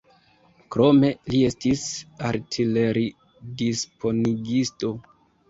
Krome li estis artileridisponigisto.